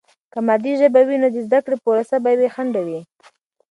که مادي ژبه وي، نو د زده کړې پروسه به بې خنډه وي.